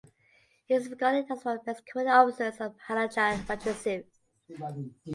He is regarded as one of the best commanding officers of Maharaja Ranjit Singh.